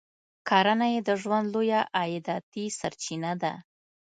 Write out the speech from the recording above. کرنه یې د ژوند لویه عایداتي سرچینه ده.